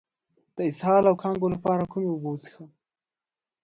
د اسهال او کانګو لپاره کومې اوبه وڅښم؟